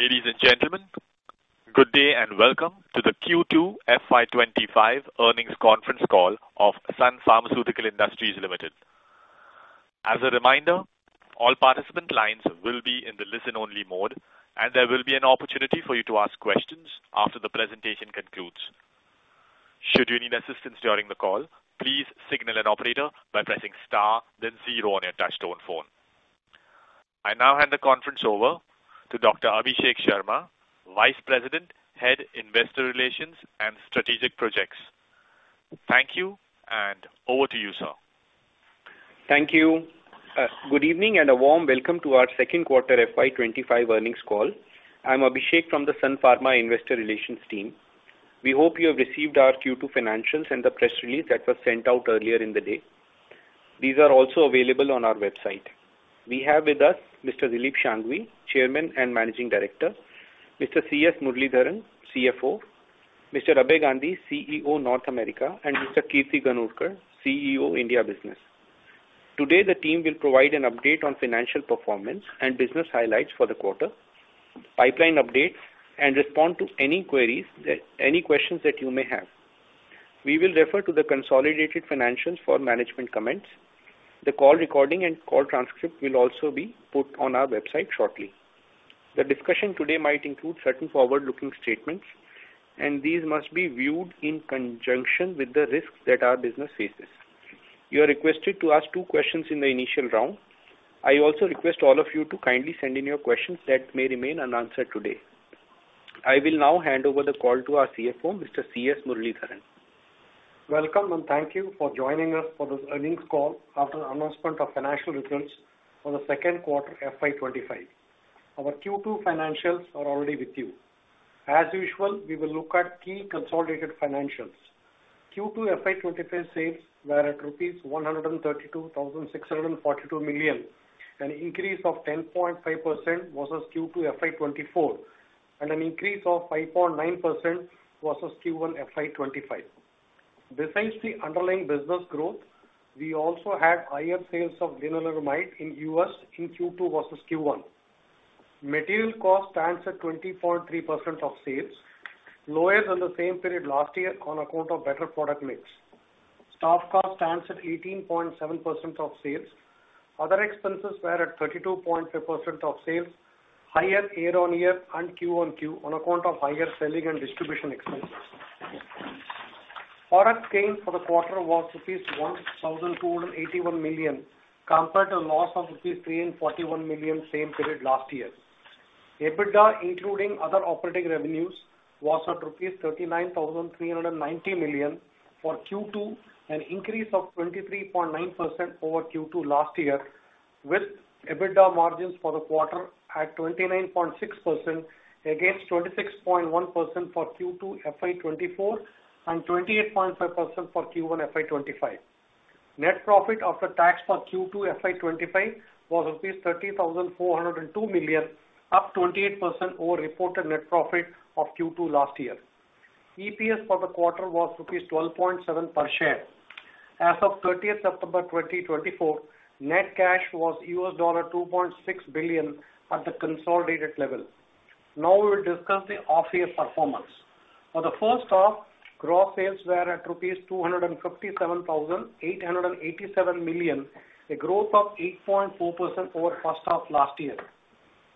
Ladies and gentlemen, good day, and welcome to the Q2 FY 2025 Earnings Conference Call of Sun Pharmaceutical Industries Limited. As a reminder, all participant lines will be in the listen-only mode, and there will be an opportunity for you to ask questions after the presentation concludes. Should you need assistance during the call, please signal an operator by pressing star then zero on your touchtone phone. I now hand the conference over to Dr. Abhishek Sharma, Vice President, Head of Investor Relations and Strategic Projects. Thank you, and over to you, sir. Thank you. Good evening, and a warm welcome to our Second Quarter FY 2025 Earnings Call. I'm Abhishek from the Sun Pharma Investor Relations team. We hope you have received our Q2 financials and the press release that was sent out earlier in the day. These are also available on our website. We have with us Mr. Dilip Shanghvi, Chairman and Managing Director, Mr. CS Muralidharan, CFO, Mr. Abhay Gandhi, CEO, North America, and Mr. Kirti Ganorkar, CEO, India Business. Today, the team will provide an update on financial performance and business highlights for the quarter, pipeline updates, and respond to any queries that... any questions that you may have. We will refer to the consolidated financials for management comments. The call recording and call transcript will also be put on our website shortly. The discussion today might include certain forward-looking statements, and these must be viewed in conjunction with the risks that our business faces. You are requested to ask two questions in the initial round. I also request all of you to kindly send in your questions that may remain unanswered today. I will now hand over the call to our CFO, Mr. C.S. Muralidharan. Welcome, and thank you for joining us for this earnings call after the announcement of financial returns for the second quarter, FY 2025. Our Q2 financials are already with you. As usual, we will look at key consolidated financials. Q2 FY 2025 sales were at rupees 132,642 million, an increase of 10.5% versus Q2 FY 2024, and an increase of 5.9% versus Q1 FY 2025. Besides the underlying business growth, we also had higher sales of lenalidomide in U.S. in Q2 versus Q1. Material cost stands at 20.3% of sales, lower than the same period last year on account of better product mix. Staff cost stands at 18.7% of sales. Other expenses were at 32.5% of sales, higher year-on-year and QoQ, on account of higher selling and distribution expenses. Product gain for the quarter was 1,281 million, compared to a loss of 341 million, same period last year. EBITDA, including other operating revenues, was at rupees 39,390 million for Q2, an increase of 23.9% over Q2 last year, with EBITDA margins for the quarter at 29.6% against 26.1% for Q2 FY 2024 and 28.5% for Q1 FY 2025. Net profit after tax for Q2 FY 2025 was 30,402 million, up 28% over reported net profit of Q2 last year. EPS for the quarter was rupees 12.7 per share. As of thirtieth September 2024, net cash was $2.6 billion at the consolidated level. Now we will discuss the half-year performance. For the first half, gross sales were at rupees 257,887 million, a growth of 8.4% over first half last year.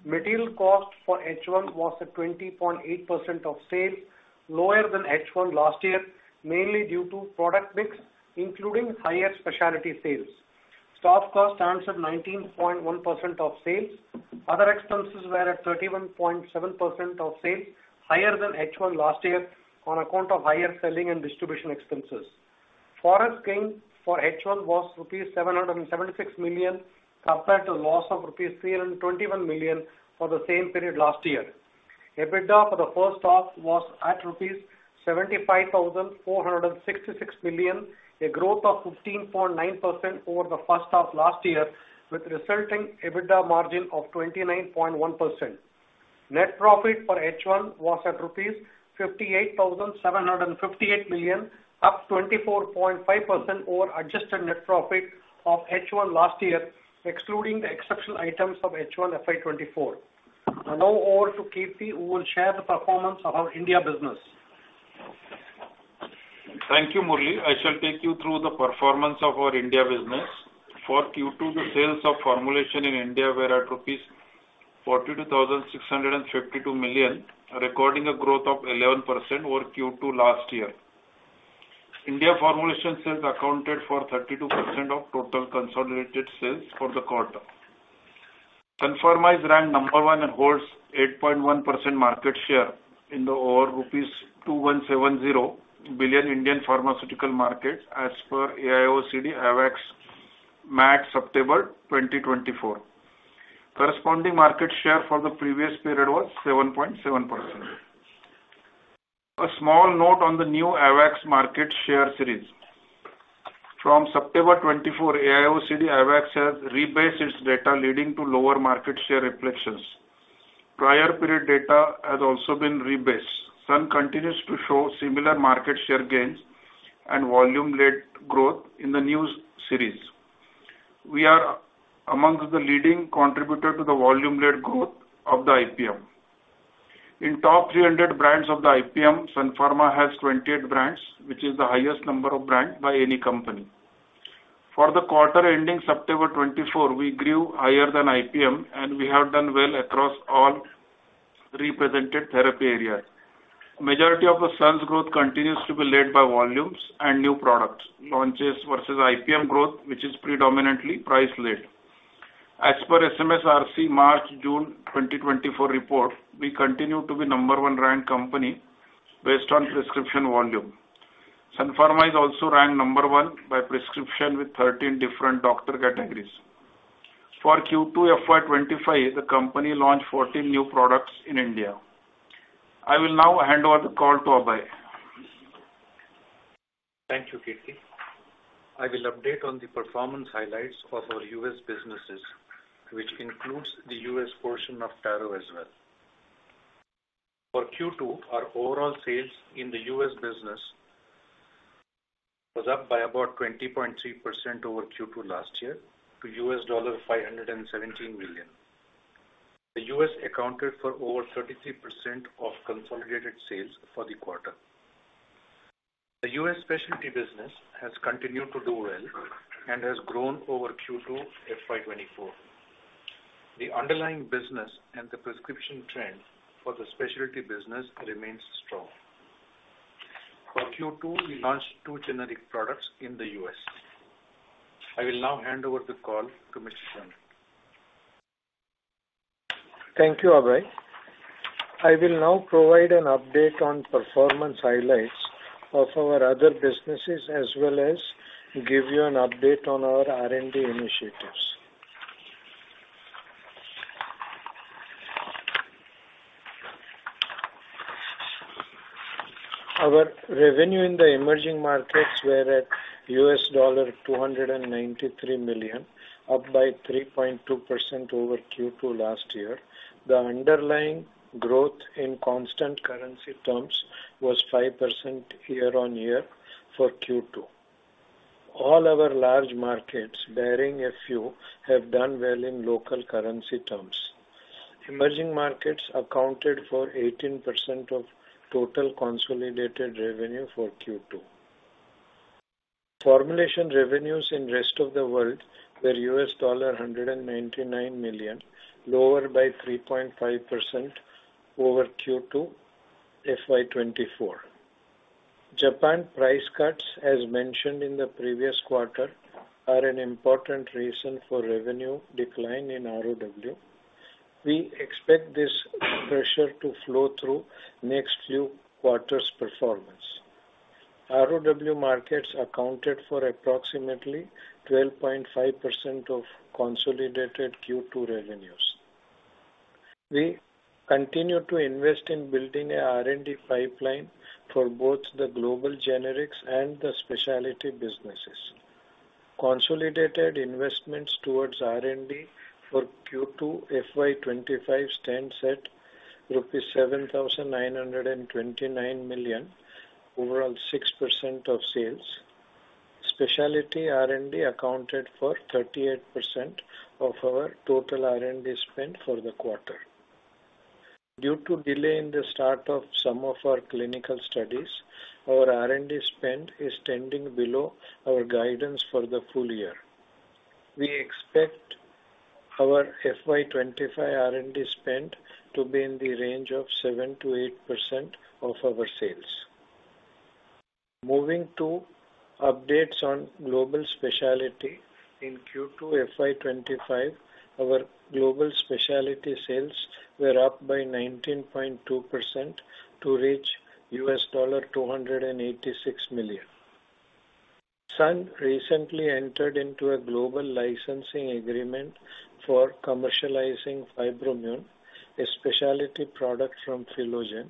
Material cost for H1 was at 20.8% of sales, lower than H1 last year, mainly due to product mix, including higher specialty sales. Staff cost stands at 19.1% of sales. Other expenses were at 30.7% of sales, higher than H1 last year on account of higher selling and distribution expenses. Forex gain for H1 was rupees 776 million, compared to a loss of rupees 321 million for the same period last year. EBITDA for the first half was at rupees 75,466 million, a growth of 15.9% over the first half last year, with resulting EBITDA margin of 29.1%. Net profit for H1 was at rupees 58,758 million, up 24.5% over adjusted net profit of H1 last year, excluding the exceptional items of H1 FY 2024. Now over to Kirti, who will share the performance of our India business. Thank you, Murali. I shall take you through the performance of our India business. For Q2, the sales of formulation in India were at rupees 42,652 million, recording a growth of 11% over Q2 last year. India formulation sales accounted for 32% of total consolidated sales for the quarter. Sun Pharma ranked number one and holds 8.1% market share in the over 2,170 billion Indian pharmaceutical market, as per AIOCD AWACS MAT, September 2024. Corresponding market share for the previous period was 7.7%. A small note on the new AWACS market share series. From September 2024, AIOCD AWACS has rebased its data, leading to lower market share reflections. Prior period data has also been rebased. Sun continues to show similar market share gains and volume led growth in the new series. We are amongst the leading contributor to the volume-led growth of the IPM. In top 300 brands of the IPM, Sun Pharma has 28 brands, which is the highest number of brand by any company. For the quarter ending September 2024, we grew higher than IPM, and we have done well across all three presented therapy areas. Majority of the sales growth continues to be led by volumes and new products, launches versus IPM growth, which is predominantly price led. As per SMSRC March, June 2024 report, we continue to be number one ranked company based on prescription volume. Sun Pharma is also ranked number one by prescription with 13 different doctor categories. For Q2 FY 2025, the company launched 14 new products in India. I will now hand over the call to Abhay. Thank you, Kirti. I will update on the performance highlights of our U.S. businesses, which includes the US portion of Taro as well. For Q2, our overall sales in the U.S. business was up by about 20.3% over Q2 last year, to $517 million. The U.S. accounted for over 33% of consolidated sales for the quarter. The U.S. specialty business has continued to do well and has grown over Q2 FY 2024. The underlying business and the prescription trend for the specialty business remains strong. For Q2, we launched two generic products in the U.S. I will now hand over the call to Mr. Shanghvi. Thank you, Abhay. I will now provide an update on performance highlights of our other businesses, as well as give you an update on our R&D initiatives. Our revenue in the emerging markets were at $293 million, up by 3.2% over Q2 last year. The underlying growth in constant currency terms was 5% year on year for Q2. All our large markets, barring a few, have done well in local currency terms. Emerging markets accounted for 18% of total consolidated revenue for Q2. Formulation revenues in rest of the world were $199 million, lower by 3.5% over Q2 FY 2024. Japan price cuts, as mentioned in the previous quarter, are an important reason for revenue decline in ROW. We expect this pressure to flow through next few quarters' performance. ROW markets accounted for approximately 12.5% of consolidated Q2 revenues. We continue to invest in building a R&D pipeline for both the global generics and the specialty businesses. Consolidated investments towards R&D for Q2 FY 2025 stands at rupees 7,929 million, overall 6% of sales. Specialty R&D accounted for 38% of our total R&D spend for the quarter. Due to delay in the start of some of our clinical studies, our R&D spend is standing below our guidance for the full year. We expect our FY 2025 R&D spend to be in the range of 7%-8% of our sales. Moving to updates on global specialty in Q2 FY 2025, our global specialty sales were up by 19.2% to reach $286 million. Sun recently entered into a global licensing agreement for commercializing Fibromun, a specialty product from Philogen.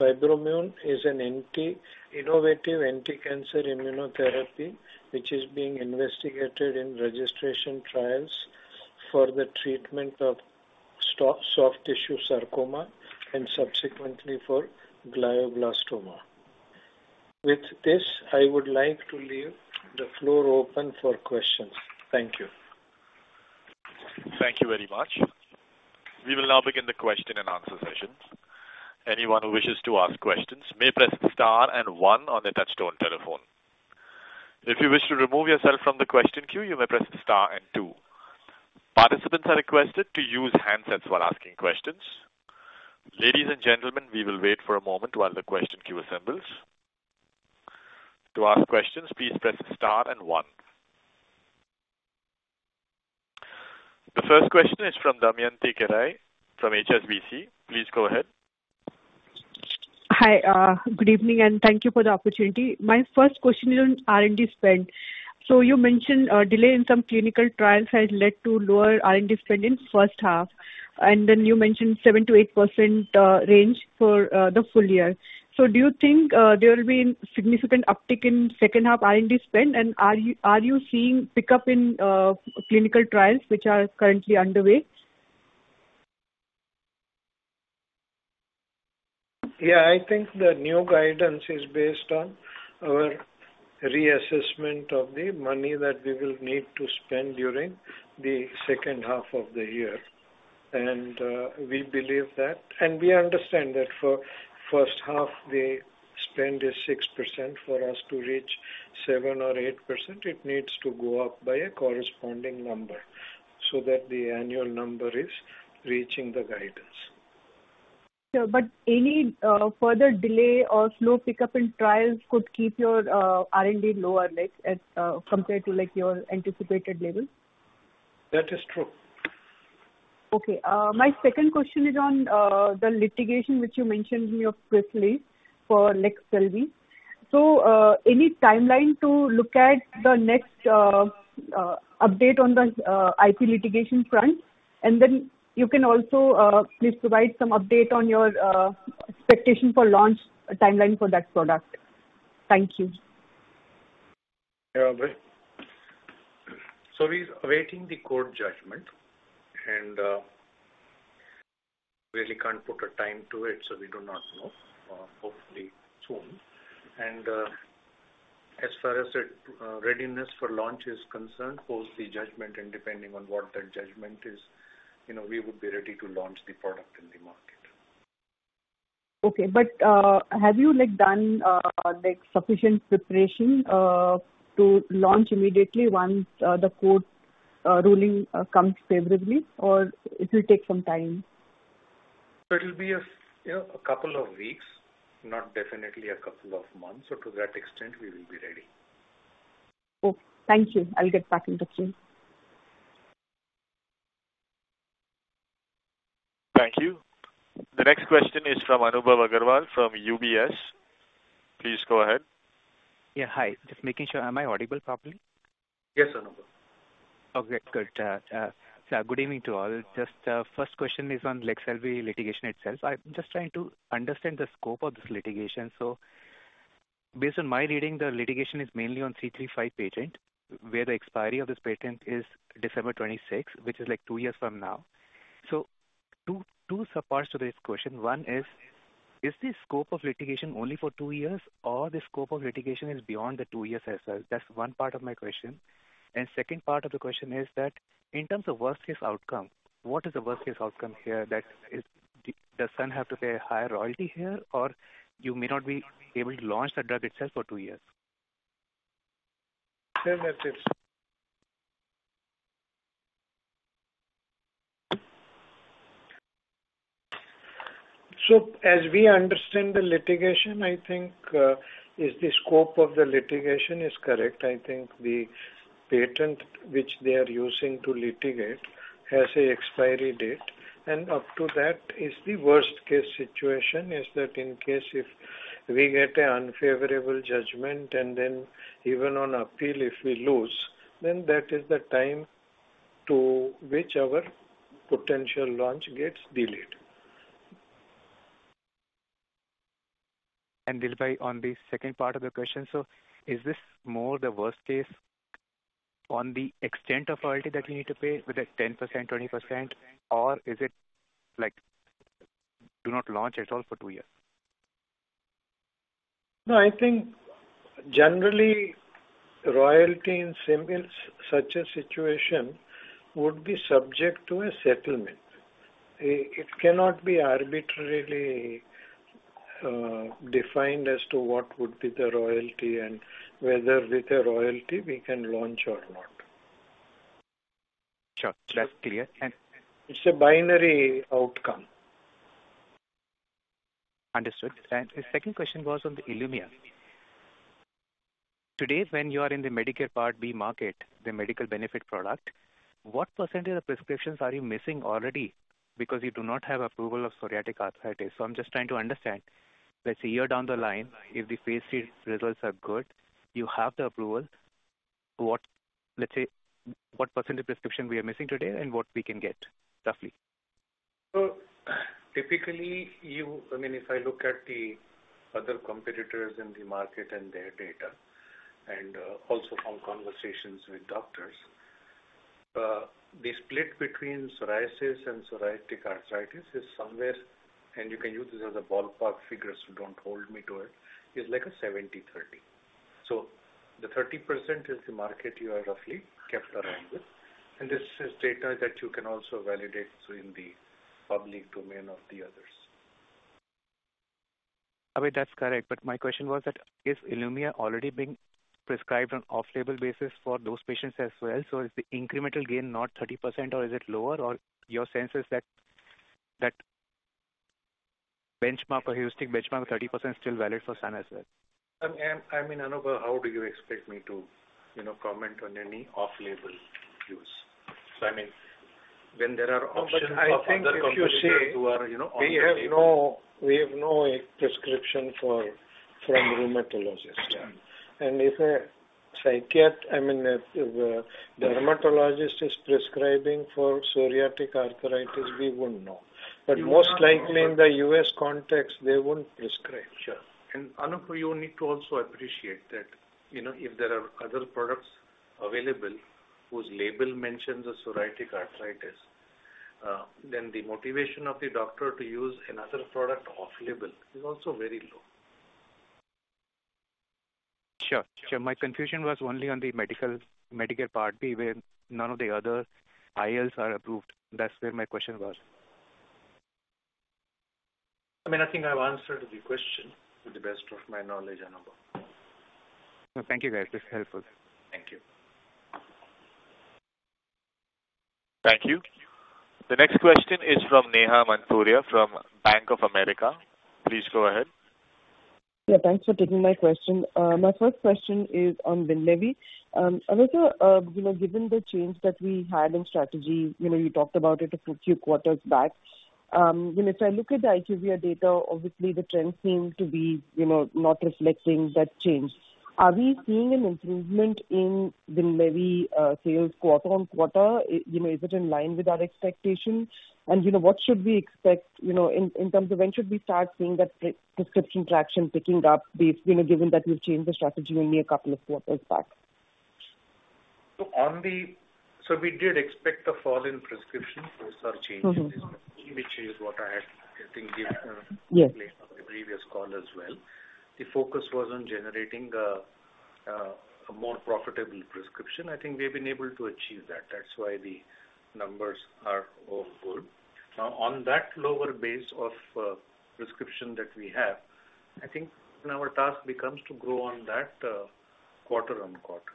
Fibromun is an innovative anticancer immunotherapy, which is being investigated in registration trials for the treatment of soft tissue sarcoma and subsequently for glioblastoma. With this, I would like to leave the floor open for questions. Thank you. Thank you very much. We will now begin the question and answer session. Anyone who wishes to ask questions may press star and one on their touchtone telephone. If you wish to remove yourself from the question queue, you may press star and two. Participants are requested to use handsets while asking questions. Ladies and gentlemen, we will wait for a moment while the question queue assembles. To ask questions, please press star and one. The first question is from Damayanti Kerai, from HSBC. Please go ahead. Hi, good evening, and thank you for the opportunity. My first question is on R&D spend. So you mentioned a delay in some clinical trials has led to lower R&D spend in first half, and then you mentioned 7%-8% range for the full year. So do you think there will be significant uptick in second half R&D spend? And are you seeing pickup in clinical trials which are currently underway? Yeah, I think the new guidance is based on our reassessment of the money that we will need to spend during the second half of the year. And, we believe that and we understand that for first half, the spend is 6%. For us to reach 7%-8%, it needs to go up by a corresponding number, so that the annual number is reaching the guidance. So but any further delay or slow pickup in trials could keep your R&D lower, like, as compared to, like, your anticipated level? That is true. Okay. My second question is on the litigation, which you mentioned here briefly for Leqselvi. So, any timeline to look at the next update on the IP litigation front? And then you can also please provide some update on your expectation for launch timeline for that product. Thank you. Yeah, Abhay. So we're waiting the court judgment, and, really can't put a time to it, so we do not know. Hopefully soon. And, as far as the, readiness for launch is concerned, post the judgment and depending on what that judgment is, you know, we would be ready to launch the product in the market. Okay. But have you, like, done, like, sufficient preparation to launch immediately once the court ruling comes favorably, or it will take some time? So it will be, you know, a couple of weeks, not definitely a couple of months. So to that extent, we will be ready. Cool. Thank you. I'll get back into queue. Thank you. The next question is from Anubhav Aggarwal from UBS. Please go ahead. Yeah, hi. Just making sure, am I audible properly? Yes, Anubhav. Okay, good. So good evening to all. Just, first question is on Leqselvi litigation itself. I'm just trying to understand the scope of this litigation. So based on my reading, the litigation is mainly on '335 patent, where the expiry of this patent is December 2026, which is like two years from now. So two subparts to this question. One is, is the scope of litigation only for two years, or the scope of litigation is beyond the two years as well? That's one part of my question. And second part of the question is that in terms of worst case outcome, what is the worst case outcome here? That is, does Sun have to pay a higher royalty here, or you may not be able to launch the drug itself for two years? So as we understand the litigation, I think the scope of the litigation is correct. I think the patent which they are using to litigate has an expiry date, and up to that is the worst-case situation, that in case if we get an unfavorable judgment and then even on appeal if we lose, then that is the time to which our potential launch gets delayed. Dilip, on the second part of the question, so is this more the worst case on the extent of royalty that you need to pay, whether 10%, 20%, or is it like, do not launch at all for two years? No, I think generally, royalty in similar, such a situation would be subject to a settlement. It cannot be arbitrarily defined as to what would be the royalty and whether with a royalty we can launch or not. Sure. That's clear and- It's a binary outcome. Understood. And the second question was on the Ilumya. Today, when you are in the Medicare Part B market, the medical benefit product, what percentage of prescriptions are you missing already? Because you do not have approval of psoriatic arthritis. So I'm just trying to understand, let's say, a year down the line, if the Phase III results are good, you have the approval, what... Let's say, what percentage prescription we are missing today and what we can get, roughly? Typically, you, I mean, if I look at the other competitors in the market and their data, and also from conversations with doctors, the split between psoriasis and psoriatic arthritis is somewhere, and you can use this as a ballpark figure, so don't hold me to it, is like a 70/30. The 30% is the market you are roughly kept around with. This is data that you can also validate so in the public domain of the others. I mean, that's correct, but my question was that, is Ilumya already being prescribed on off-label basis for those patients as well? So is the incremental gain not 30% or is it lower? Or your sense is that, that benchmark or heuristic benchmark of 30% still valid for Sun as well? I mean, Anubhav, how do you expect me to, you know, comment on any off-label use? So, I mean, when there are options of other competitors who are, you know, on the label- We have no prescription from rheumatologists. Sure. And if a psychiatrist—I mean, the dermatologist is prescribing for psoriatic arthritis, we wouldn't know. But most likely in the U.S. context, they won't prescribe. Sure. And Anub, you need to also appreciate that, you know, if there are other products available whose label mentions a psoriatic arthritis, then the motivation of the doctor to use another product off label is also very low. Sure, sure. My confusion was only on the Medicaid, Medicare Part D, where none of the other ILs are approved. That's where my question was. I mean, I think I've answered the question to the best of my knowledge, Anub. Thank you, guys. This is helpful. Thank you. Thank you. The next question is from Neha Manpuria from Bank of America. Please go ahead. Yeah, thanks for taking my question. My first question is on Winlevi. A little, you know, given the change that we had in strategy, you know, you talked about it a few quarters back. You know, if I look at the IQVIA data, obviously the trends seem to be, you know, not reflecting that change. Are we seeing an improvement in Winlevi sales quarter-on-quarter? You know, is it in line with our expectations? And, you know, what should we expect, you know, in terms of when should we start seeing that prescription traction picking up based, you know, given that we've changed the strategy only a couple of quarters back? We did expect a fall in prescription post our change. Mm-hmm. which is what I had, I think, given Yes On the previous call as well. The focus was on generating a more profitable prescription. I think we've been able to achieve that. That's why the numbers are all good. Now, on that lower base of prescription that we have, I think now our task becomes to grow on that, quarter-on-quarter.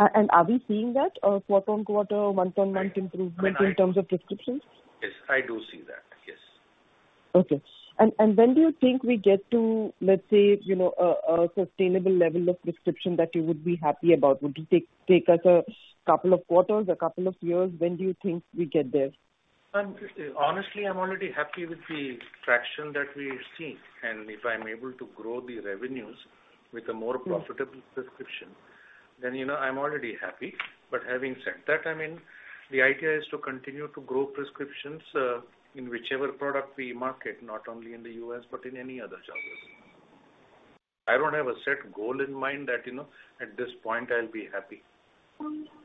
And are we seeing that, quarter on quarter, month on month improvement in terms of prescriptions? Yes, I do see that. Yes. Okay. When do you think we get to, let's say, you know, a sustainable level of prescription that you would be happy about? Would it take us a couple of quarters, a couple of years? When do you think we get there? Honestly, I'm already happy with the traction that we've seen, and if I'm able to grow the revenues with a more- Mm. profitable prescription, then, you know, I'm already happy. But having said that, I mean, the idea is to continue to grow prescriptions in whichever product we market, not only in the U.S., but in any other geographies. I don't have a set goal in mind that, you know, at this point I'll be happy.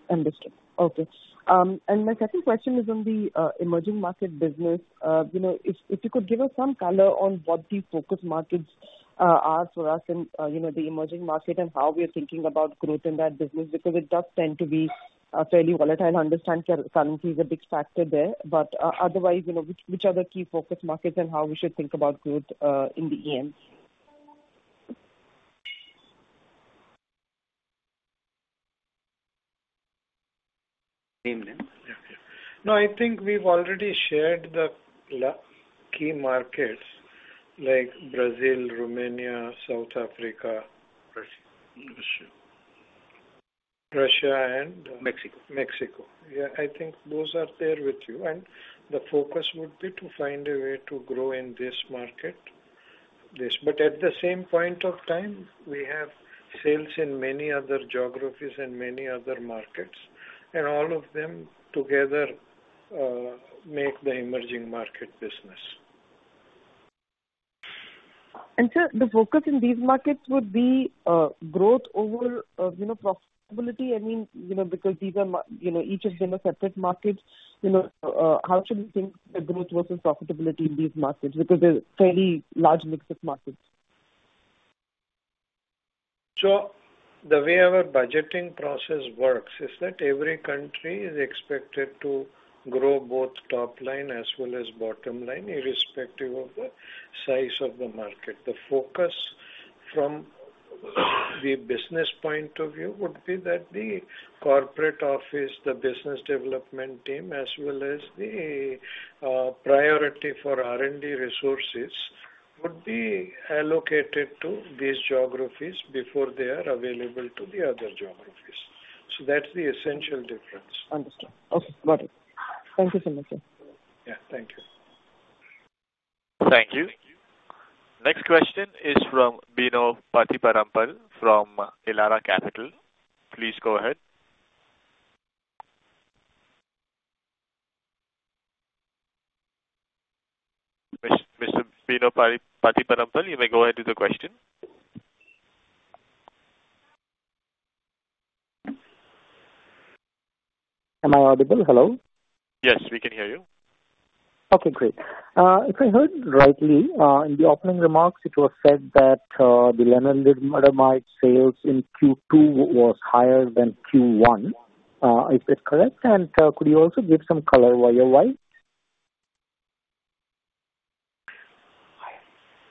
Understood. Okay. And my second question is on the emerging market business. You know, if you could give us some color on what the focus markets are for us in, you know, the emerging market and how we are thinking about growth in that business, because it does tend to be a fairly volatile. I understand currency is a big factor there, but otherwise, you know, which are the key focus markets and how we should think about growth in the EM? Name them? Yeah, yeah. No, I think we've already shared the key markets like Brazil, Romania, South Africa. Russia. Russia and- Mexico. Mexico. Yeah, I think those are there with you, and the focus would be to find a way to grow in this market. But at the same point of time, we have sales in many other geographies and many other markets, and all of them together make the emerging market business. Sir, the focus in these markets would be growth over, you know, profitability? I mean, you know, because these are markets, you know, each of them are separate markets, you know, how should we think the growth versus profitability in these markets? Because there's fairly large mix of markets. So the way our budgeting process works is that every country is expected to grow both top line as well as bottom line, irrespective of the size of the market. The focus from the business point of view would be that the corporate office, the business development team, as well as the priority for R&D resources, would be allocated to these geographies before they are available to the other geographies. So that's the essential difference. Understood. Okay, got it. Thank you so much, sir. Yeah. Thank you. Thank you. Next question is from Bino Pathiparampil from Elara Capital. Please go ahead. Mr. Bino Pathiparampil, you may go ahead with the question. Am I audible? Hello? Yes, we can hear you. Okay, great. If I heard rightly, in the opening remarks, it was said that the lenalidomide sales in Q2 was higher than Q1. Is this correct? And could you also give some color why or why?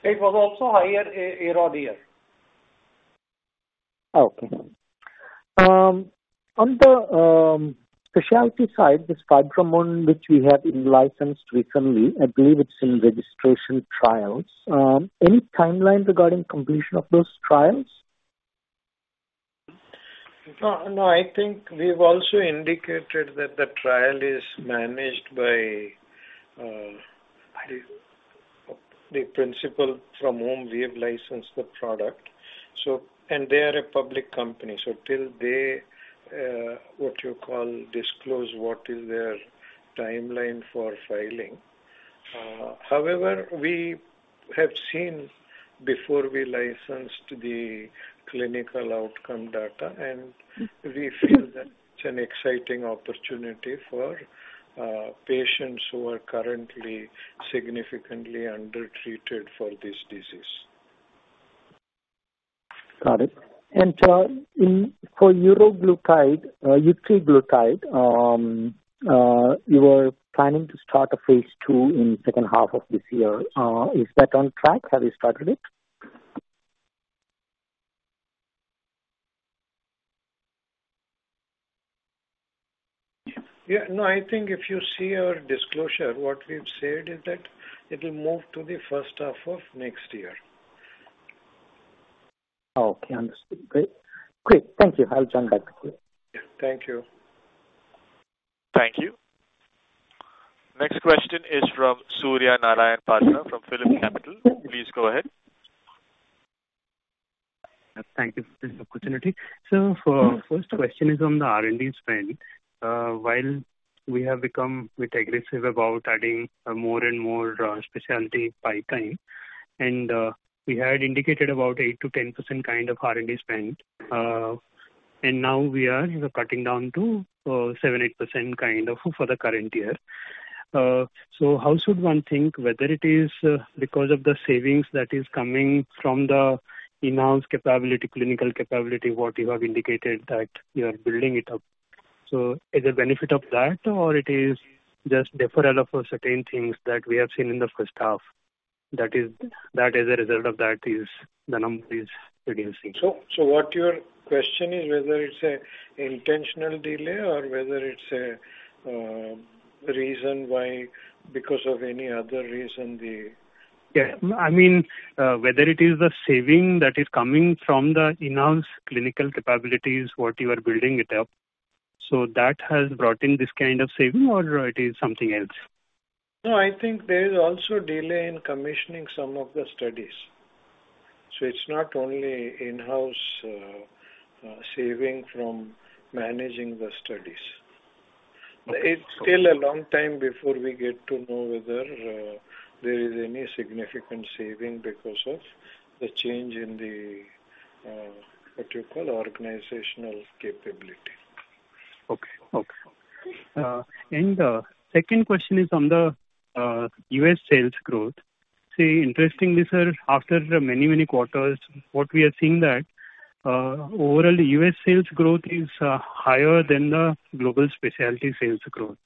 It was also higher year on year. Okay. On the specialty side, this Fibromun, which we had in-licensed recently, I believe it's in registration trials. Any timeline regarding completion of those trials? No, no, I think we've also indicated that the trial is managed by the principal from whom we have licensed the product. So, and they are a public company, so till they, what you call, disclose what is their timeline for filing. However, we have seen before we licensed the clinical outcome data, and we feel that it's an exciting opportunity for patients who are currently significantly undertreated for this disease. Got it. And for utreglutide, utreglutide, you were planning to start a Phase II in second half of this year. Is that on track? Have you started it? Yeah, no, I think if you see our disclosure, what we've said is that it'll move to the first half of next year. Okay, understood. Great. Great, thank you. I'll join back to you. Thank you. Thank you. Next question is from Surya Narayan Patra from Phillip Capital. Please go ahead. Thank you for this opportunity. So, first question is on the R&D spend. While we have become a bit aggressive about adding more and more specialty pipeline, and we had indicated about 8%-10% kind of R&D spend. And now we are cutting down to 7%-8% kind of for the current year. So how should one think whether it is because of the savings that is coming from the enhanced capability, clinical capability, what you have indicated that you are building it up? So is it benefit of that, or it is just deferral of certain things that we have seen in the first half, that is, that as a result of that is the number is reducing? So, what your question is whether it's an intentional delay or whether it's a reason why, because of any other reason, the- Yeah. I mean, whether it is the saving that is coming from the enhanced clinical capabilities, what you are building it up. So that has brought in this kind of saving or it is something else? No, I think there is also delay in commissioning some of the studies. So it's not only in-house, saving from managing the studies. Okay. It's still a long time before we get to know whether there is any significant saving because of the change in the what you call organizational capability. Okay. Okay, and the second question is on the U.S. sales growth. See, interestingly, sir, after many, many quarters, what we are seeing that overall, U.S. sales growth is higher than the global specialty sales growth.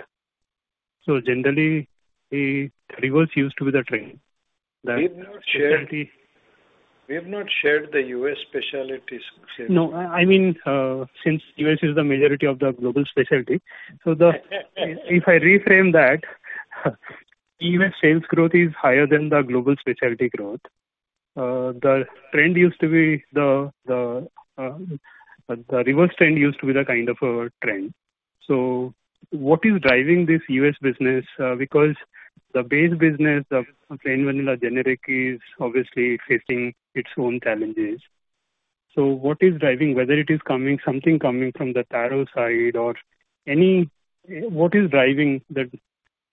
So generally, the reverse used to be the trend. That. We've not shared- Specialty. We have not shared the U.S. specialty sales. No, I, I mean, since US is the majority of the global specialty. So, if I reframe that, U.S. sales growth is higher than the global specialty growth. The trend used to be the reverse trend used to be the kind of a trend. So what is driving this U.S. business? Because the base business of plain vanilla generic is obviously facing its own challenges. So what is driving, whether it is coming, something coming from the Taro side or any... What is driving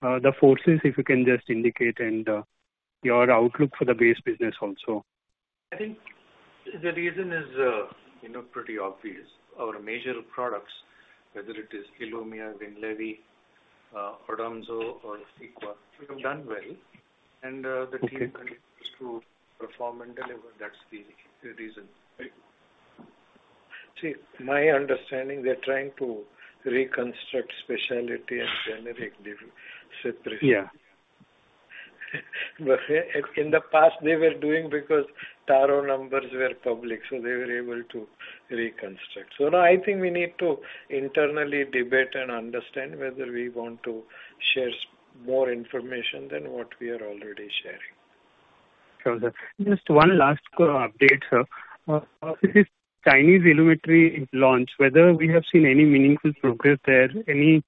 the forces, if you can just indicate, and your outlook for the base business also? I think the reason is, you know, pretty obvious. Our major products, whether it is Ilumya, Winlevi, Odomzo or Cequa, we've done well, and, Okay. The team continues to perform and deliver. That's the reason. Right. See, my understanding, they're trying to reconstruct specialty and generic division. Yeah. But in the past, they were doing because Taro numbers were public, so they were able to reconstruct. So no, I think we need to internally debate and understand whether we want to share more information than what we are already sharing. Sure, sir. Just one last quick update, sir. This Chinese Ilumetri launch, whether we have seen any meaningful progress there, any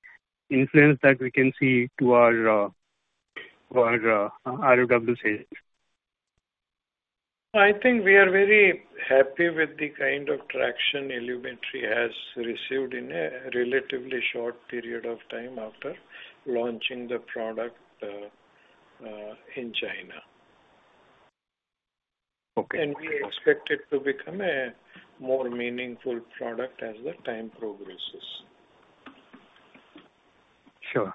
influence that we can see to our ROW sales? I think we are very happy with the kind of traction Ilumetri has received in a relatively short period of time after launching the product, in China. Okay. We expect it to become a more meaningful product as the time progresses. Sure.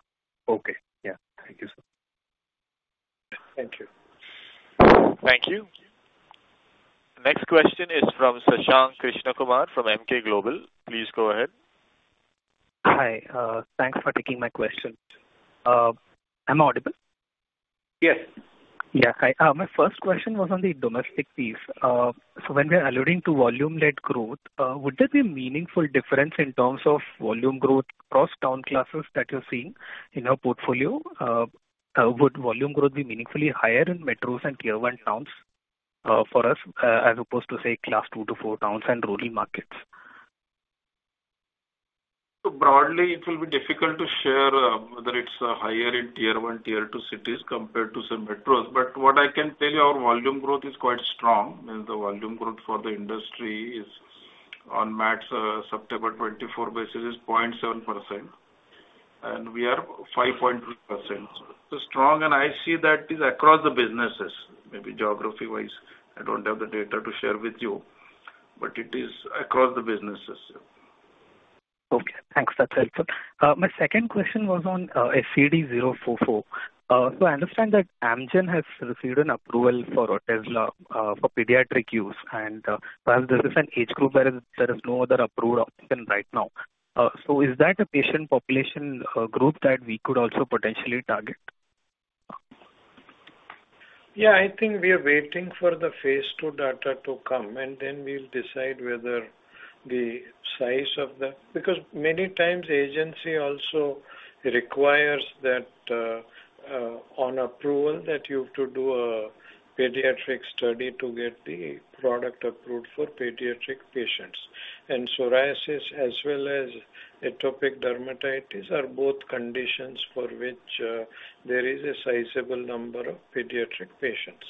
Okay. Yeah. Thank you, sir. Thank you. Thank you. Next question is from Shashank Krishnakumar from Emkay Global. Please go ahead. Hi. Thanks for taking my question. Am I audible? Yes. Yeah. Hi. My first question was on the domestic piece. So when we are alluding to volume-led growth, would there be a meaningful difference in terms of volume growth across town classes that you're seeing in our portfolio? Would volume growth be meaningfully higher in metros and tier-one towns, for us, as opposed to, say, class two to four towns and rural markets? ... broadly, it will be difficult to share whether it's higher in Tier 1, Tier 2 cities compared to some metros. But what I can tell you, our volume growth is quite strong, and the volume growth for the industry is on MATs September 2024 basis 0.7%, and we are 5.2%. So strong, and I see that is across the businesses. Maybe geography-wise, I don't have the data to share with you, but it is across the businesses. Okay, thanks. That's helpful. My second question was on SCD-044. So I understand that Amgen has received an approval for Otezla for pediatric use, and while this is an age group where there is no other approved option right now. So is that a patient population group that we could also potentially target? Yeah, I think we are waiting for the Phase II data to come, and then we'll decide whether the size of the... Because many times, the agency also requires that, on approval, that you have to do a pediatric study to get the product approved for pediatric patients. And psoriasis, as well as atopic dermatitis, are both conditions for which, there is a sizable number of pediatric patients.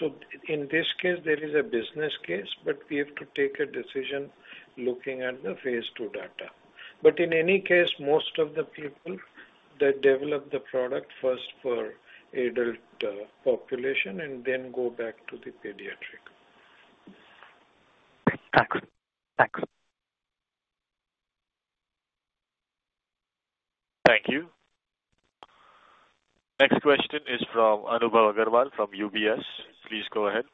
So in this case, there is a business case, but we have to take a decision looking at the Phase II data. But in any case, most of the people that develop the product first for adult, population and then go back to the pediatric. Thanks. Thanks. Thank you. Next question is from Anubhav Aggarwal from UBS. Please go ahead.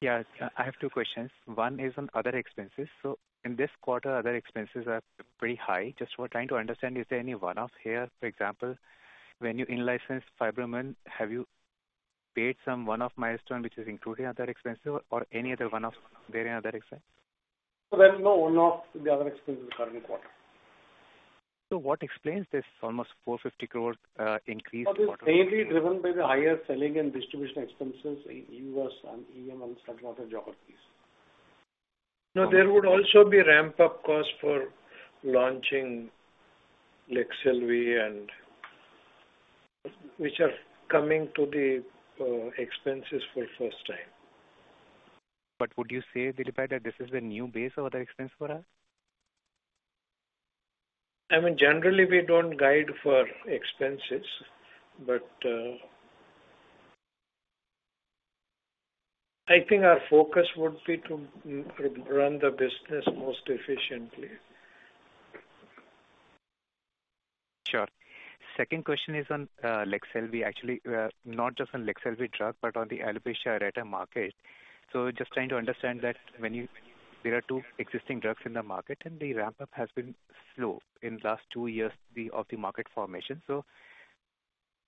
Yes, I have two questions. One is on other expenses. So in this quarter, other expenses are pretty high. Just we're trying to understand, is there any one-off here? For example, when you in-license Fibromun, have you paid some one-off milestone which is included in other expenses or any other one-off there in other expense? No one-off the other expenses for the quarter. So what explains this almost 450 crore increase in quarter? It is mainly driven by the higher selling and distribution expenses in U.S. and EM and certain other geographies. Now, there would also be ramp-up costs for launching Leqselvi and... Which are coming to the, expenses for first time. But would you say, Dilip, that this is the new base of other expense for us? I mean, generally, we don't guide for expenses, but I think our focus would be to run the business most efficiently. Sure. Second question is on Leqselvi. Actually, not just on Leqselvi drug, but on the alopecia areata market. So just trying to understand that when you-- there are two existing drugs in the market, and the ramp-up has been slow in last two years, the, of the market formation. So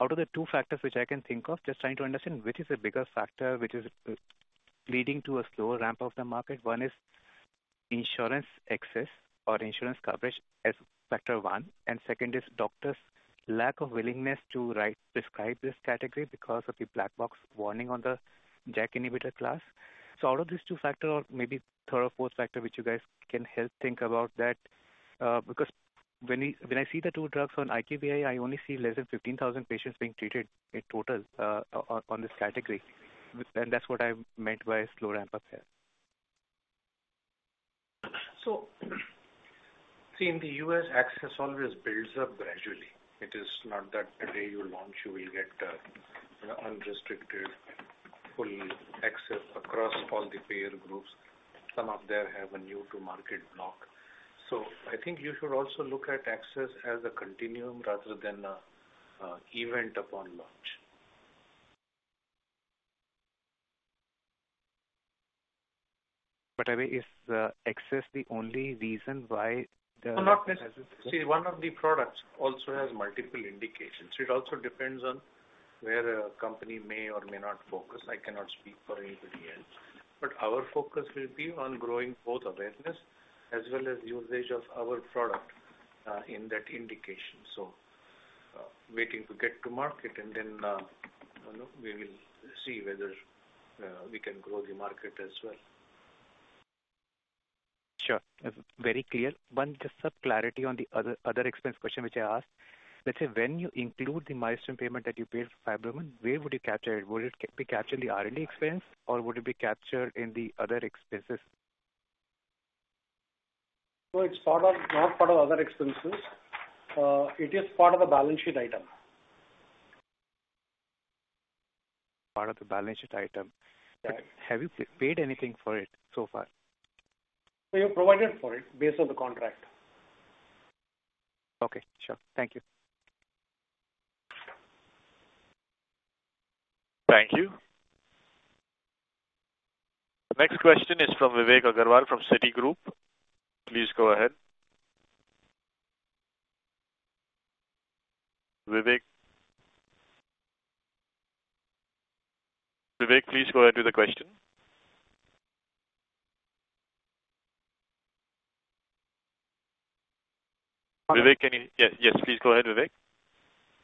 out of the two factors which I can think of, just trying to understand, which is the biggest factor, which is, leading to a slower ramp of the market. One is insurance access or insurance coverage as factor one, and second is doctors' lack of willingness to write, prescribe this category because of the black box warning on the JAK inhibitor class. So out of these two factors, or maybe third or fourth factor, which you guys can help think about that. Because when I see the two drugs on IQVIA, I only see less than 15,000 patients being treated in total, on this category, and that's what I meant by a slow ramp-up here. So, see, in the U.S., access always builds up gradually. It is not that the day you launch, you will get, unrestricted full access across all the payer groups. Some of them have a new to market block. So I think you should also look at access as a continuum rather than a, event upon launch. But I mean, is access the only reason why the- Not necessarily. See, one of the products also has multiple indications. It also depends on where a company may or may not focus. I cannot speak for anybody else, but our focus will be on growing both awareness as well as usage of our product, in that indication. So, waiting to get to market, and then, you know, we will see whether we can grow the market as well. Sure. That's very clear. One, just some clarity on the other expense question which I asked. Let's say, when you include the milestone payment that you paid for Fibromun, where would you capture it? Would it be captured in the R&D expense, or would it be captured in the other expenses? So it's part of, not part of other expenses. It is part of the balance sheet item. Part of the balance sheet item. Yeah. But have you paid anything for it so far? We have provided for it based on the contract. Okay, sure. Thank you. Thank you. The next question is from Vivek Agarwal from Citigroup. Please go ahead. Vivek? Vivek, please go ahead with the question. Vivek, can you... Yes, yes, please go ahead, Vivek....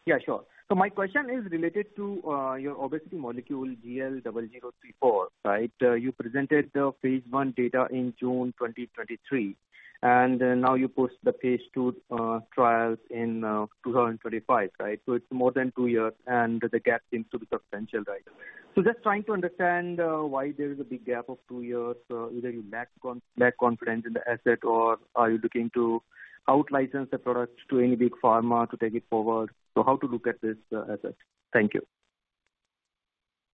Yeah, sure. So my question is related to your obesity molecule, GL0034, right? You presented the Phase I data in June 2023 and now you post the Phase II trials in 2025 right? So it's more than two years, and the gap seems to be substantial, right? So just trying to understand why there is a big gap of two years. Whether you lack confidence in the asset, or are you looking to out-license the product to any big pharma to take it forward? So how to look at this asset? Thank you.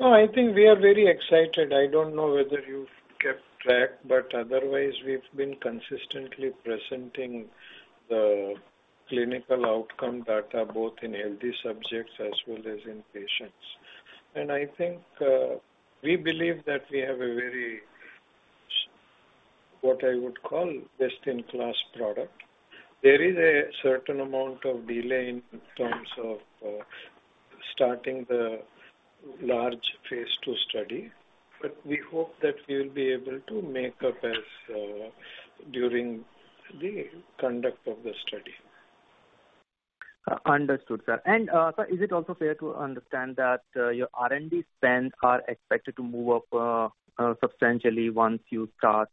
No, I think we are very excited. I don't know whether you've kept track, but otherwise, we've been consistently presenting the clinical outcome data, both in healthy subjects as well as in patients, and I think we believe that we have a very, what I would call, best-in-class product. There is a certain amount of delay in terms of starting the large Phase II study, but we hope that we will be able to make up as during the conduct of the study. Understood, sir. And, sir, is it also fair to understand that your R&D spends are expected to move up substantially once you start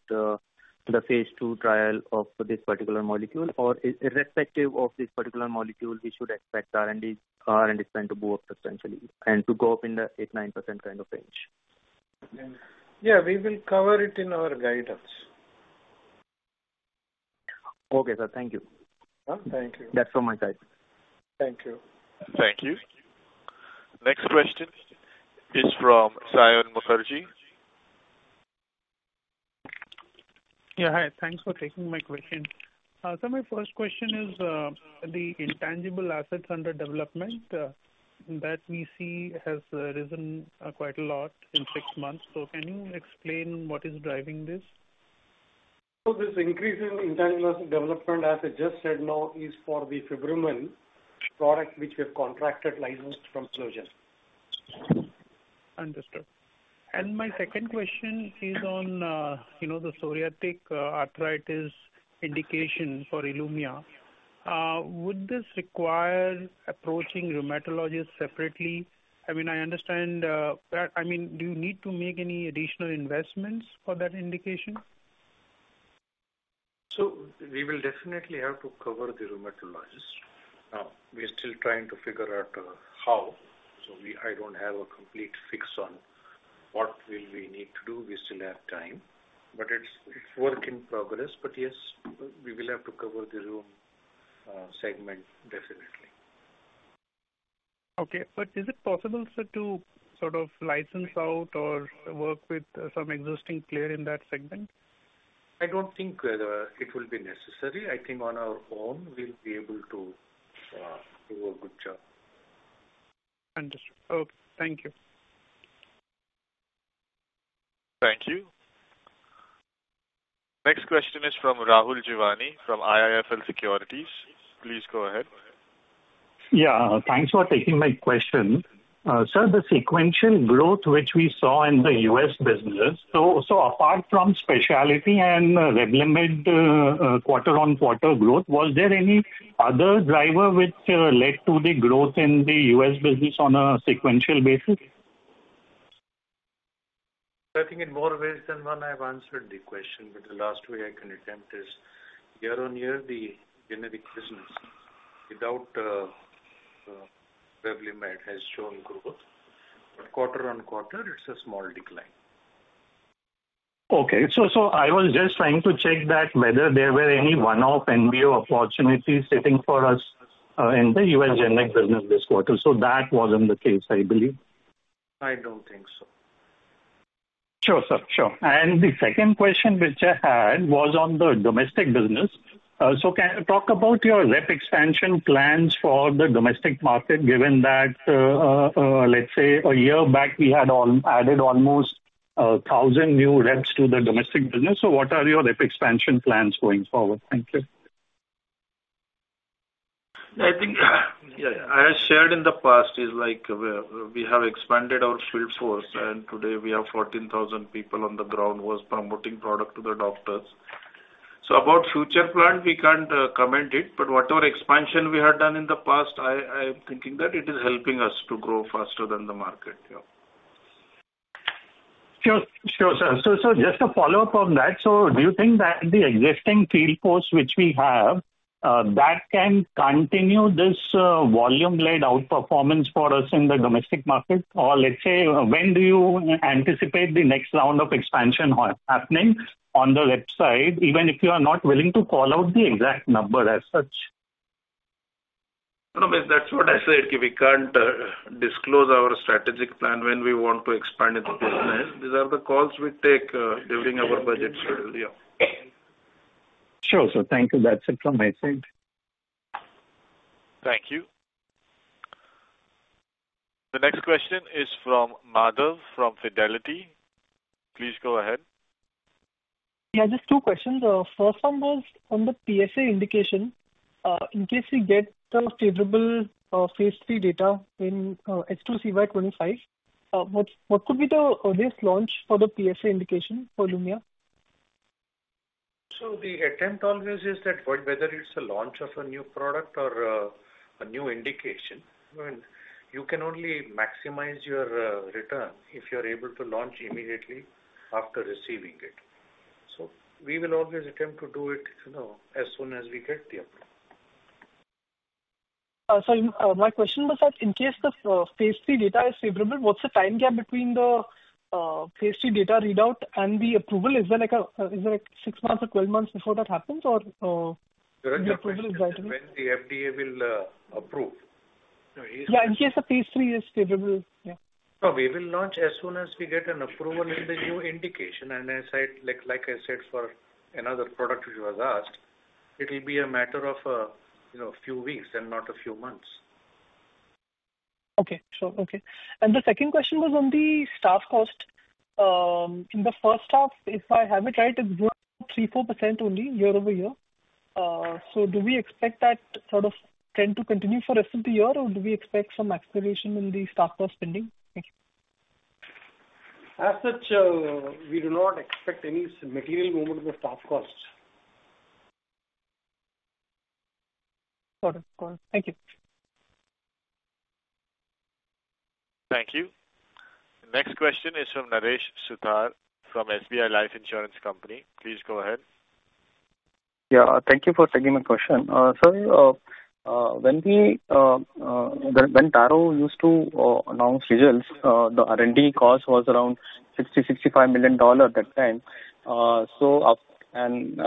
the Phase II trial of this particular molecule? Or, irrespective of this particular molecule, we should expect R&D spend to go up substantially and to go up in the 8-9% kind of range. Yeah, we will cover it in our guidance. Okay, sir. Thank you. Thank you. That's all my time. Thank you. Thank you. Next question is from Saion Mukherjee. Yeah, hi. Thanks for taking my question, so my first question is, the intangible assets under development that we see has risen quite a lot in six months, so can you explain what is driving this? This increase in intangible asset development, as I just said now, is for the Fibromun product, which we have contracted license from Philogen. Understood. And my second question is on, you know, the psoriatic arthritis indication for Ilumya. Would this require approaching rheumatologists separately? I mean, I understand that... I mean, do you need to make any additional investments for that indication? We will definitely have to cover the rheumatologists. We are still trying to figure out how. I don't have a complete fix on what will we need to do. We still have time, but it's work in progress. But yes, we will have to cover the rheum segment definitely. Okay. But is it possible, sir, to sort of license out or work with some existing player in that segment? I don't think it will be necessary. I think on our own, we'll be able to do a good job. Understood. Okay, thank you. Thank you. Next question is from Rahul Jeewani, from IIFL Securities. Please go ahead. Yeah, thanks for taking my question. Sir, the sequential growth, which we saw in the U.S. business, so apart from specialty and Revlimid, quarter-on-quarter growth, was there any other driver which led to the growth in the U.S. business on a sequential basis? I think in more ways than one, I have answered the question, but the last way I can attempt is, year on year, the generic business, without Revlimid, has shown growth, but quarter-on-quarter, it's a small decline. Okay. So, so I was just trying to check that whether there were any one-off and new opportunities sitting for us, in the U.S. generic business this quarter. So that wasn't the case, I believe? I don't think so. Sure, sir. Sure, and the second question, which I had, was on the domestic business. So can you talk about your rep expansion plans for the domestic market, given that, let's say a year back, we had added almost thousand new reps to the domestic business. So what are your rep expansion plans going forward? Thank you. I think, yeah, I shared in the past is like, we have expanded our field force, and today we have 14,000 people on the ground who are promoting product to the doctors. So about future plan, we can't comment it, but whatever expansion we have done in the past, I am thinking that it is helping us to grow faster than the market. Yeah. Sure. Sure, sir. So just a follow-up on that: so do you think that the existing field force which we have that can continue this volume-led outperformance for us in the domestic market? Or let's say, when do you anticipate the next round of expansion happening on the rep side, even if you are not willing to call out the exact number as such? No, no, that's what I said, we can't disclose our strategic plan when we want to expand in the business. These are the calls we take during our budget schedule. Yeah. Sure, sir. Thank you. That's it from my side. Thank you. The next question is from Madhav, from Fidelity. Please go ahead. Yeah, just two questions. First one was on the PsA indication. In case we get favorable Phase III data in H2 CY 2025, what could be the earliest launch for the PsA indication for Ilumya?... So the attempt always is that whether it's a launch of a new product or a new indication, and you can only maximize your return if you're able to launch immediately after receiving it. So we will always attempt to do it, you know, as soon as we get the approval. So, my question was that in case the Phase III data is favorable, what's the time gap between the Phase III data readout and the approval? Is there like six months or 12 months before that happens, or the approval is granted? When the FDA will approve? Yeah, in case the Phase III is favorable. Yeah. So we will launch as soon as we get an approval in the new indication. And as I, like I said, for another product which was asked, it'll be a matter of, you know, a few weeks and not a few months. Okay. Sure. Okay. And the second question was on the staff cost. In the first half, if I have it right, it's grown 3%-4% only year-over-year. So do we expect that sort of trend to continue for rest of the year, or do we expect some acceleration in the staff cost spending? Thank you. As such, we do not expect any material movement of the staff costs. Got it. Got it. Thank you. Thank you. Next question is from Naresh Sutar from SBI Life Insurance Company. Please go ahead. Yeah, thank you for taking my question. Sir, when we, when Taro used to announce results, the R&D cost was around $60-$65 million that time. So up and,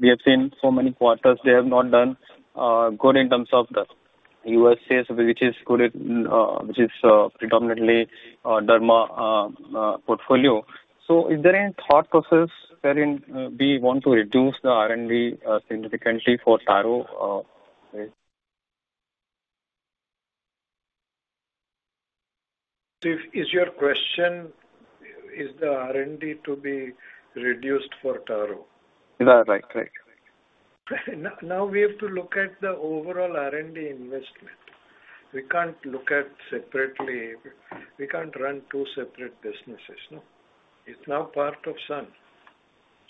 we have seen so many quarters they have not done good in terms of the USA, which is good, which is predominantly Derma portfolio. So is there any thought process wherein we want to reduce the R&D significantly for Taro? Is your question, is the R&D to be reduced for Taro? Yeah, right. Right. Now, now we have to look at the overall R&D investment. We can't look at separately. We can't run two separate businesses, no? It's now part of Sun.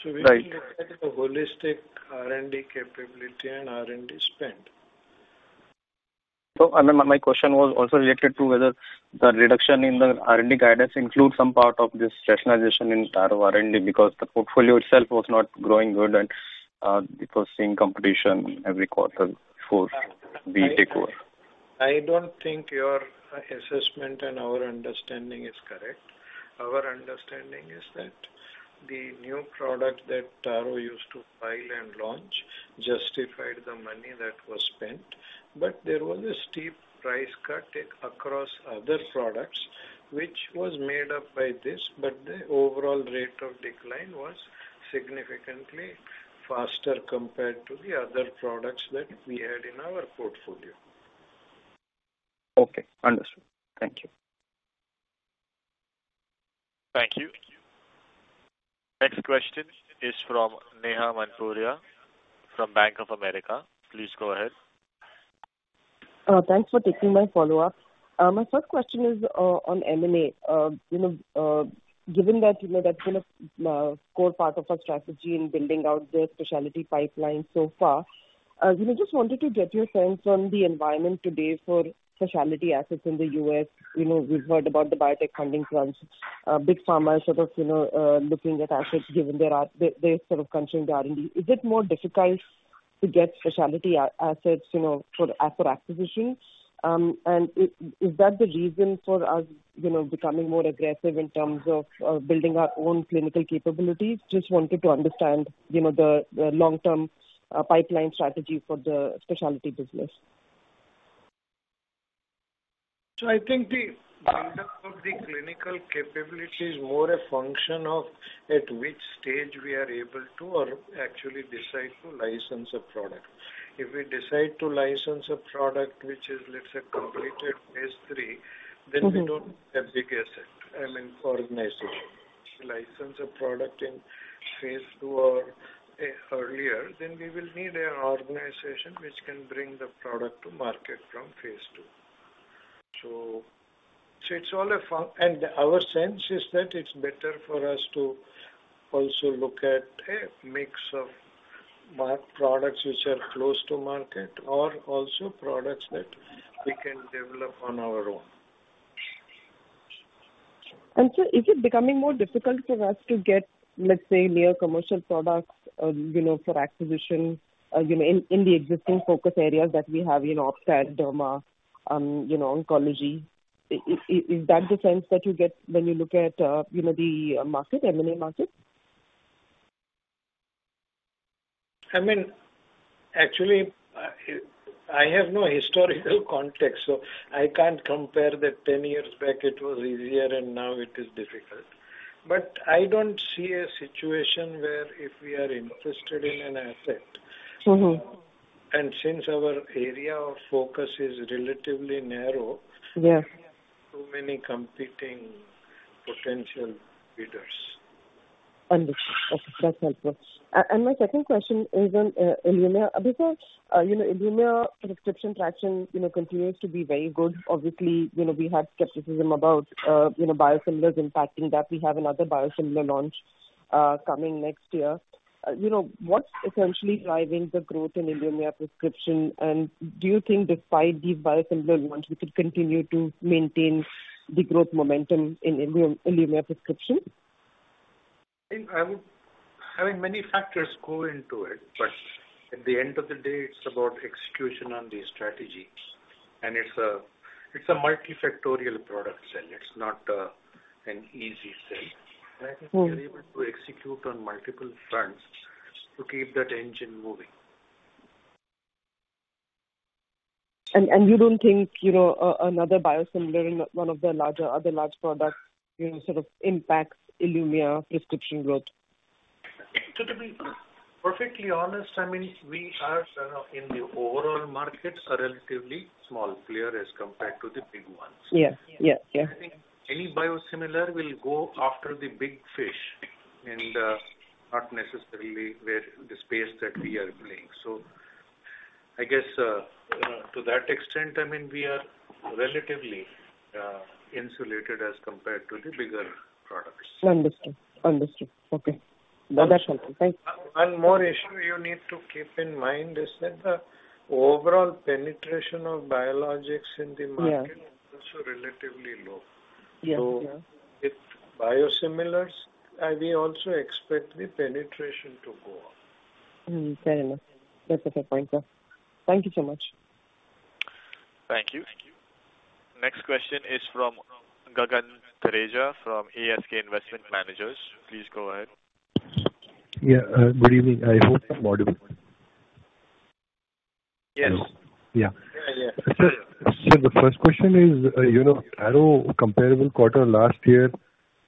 Right. We look at the holistic R&D capability and R&D spend. So, and my question was also related to whether the reduction in the R&D guidance includes some part of this rationalization in Taro R&D, because the portfolio itself was not growing good and it was seeing competition every quarter for the deploy? I don't think your assessment and our understanding is correct. Our understanding is that the new product that Taro used to file and launch justified the money that was spent, but there was a steep price cut across other products, which was made up by this, but the overall rate of decline was significantly faster compared to the other products that we had in our portfolio. Okay, understood. Thank you. Thank you. Next question is from Neha Manpuria from Bank of America. Please go ahead. Thanks for taking my follow-up. My first question is on M&A. You know, given that, you know, that's been a core part of our strategy in building out the specialty pipeline so far, we just wanted to get your sense on the environment today for specialty assets in the U.S. You know, we've heard about the biotech funding crunch, big pharma sort of, you know, looking at assets, given their, their sort of constrained R&D. Is it more difficult to get specialty assets, you know, for asset acquisitions? And is that the reason for us, you know, becoming more aggressive in terms of building our own clinical capabilities? Just wanted to understand, you know, the long-term pipeline strategy for the specialty business. So, I think the build up of the clinical capability is more a function of at which stage we are able to or actually decide to license a product. If we decide to license a product which is, let's say, completed Phase III- Mm-hmm. Then we don't have big asset, I mean, for organization. License a product in Phase II or earlier, then we will need an organization which can bring the product to market from Phase II. So it's all a function and our sense is that it's better for us to also look at a mix of market products which are close to market or also products that we can develop on our own. And so is it becoming more difficult for us to get, let's say, near commercial products, you know, for acquisition, you know, in the focus areas that we have, you know, Ophtha and Derma, you know, oncology? Is that the sense that you get when you look at, you know, the market, M&A market? I mean, actually, I have no historical context, so I can't compare that 10 years back it was easier and now it is difficult. But I don't see a situation where if we are interested in an asset- Mm-hmm. and since our area of focus is relatively narrow. Yeah. Too many competing potential bidders. Understood. Okay, that's helpful. And my second question is on Ilumya. Because, you know, Ilumya prescription traction, you know, continues to be very good. Obviously, you know, we had skepticism about, you know, biosimilars impacting that. We have another biosimilar launch coming next year. You know, what's essentially driving the growth in Ilumya prescription, and do you think despite these biosimilar ones, we could continue to maintain the growth momentum in Ilumya prescription? I think I would, I mean, many factors go into it, but at the end of the day, it's about execution on the strategy, and it's a, it's a multifactorial product sale. It's not an easy sale. Mm-hmm. I think we are able to execute on multiple fronts to keep that engine moving. You don't think, you know, another biosimilar in one of the larger, other large products, you know, sort of impacts Ilumya prescription growth? So to be perfectly honest, I mean, we are, sort of, in the overall markets, a relatively small player as compared to the big ones. Yeah. Yeah, yeah. I think any biosimilar will go after the big fish, and not necessarily where the space that we are playing. So I guess, to that extent, I mean, we are relatively insulated as compared to the bigger products. Understood. Understood. Okay. That's helpful. Thank you. One more issue you need to keep in mind is that the overall penetration of biologics in the market- Yeah. is also relatively low. Yeah. So with biosimilars, we also expect the penetration to go up. Fair enough. That's a fair point, sir. Thank you so much. Thank you. Next question is from Gagan Thareja, from ASK Investment Managers. Please go ahead. Yeah, good evening. I hope I'm audible. Yes. Yeah. Yeah, yeah. Sir, sir, the first question is, you know, Taro comparable quarter last year,